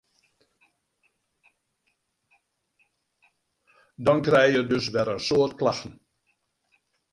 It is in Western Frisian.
Dan krije je dus wer in soad klachten.